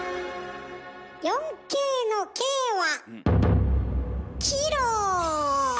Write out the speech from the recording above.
４Ｋの「Ｋ」はキロ！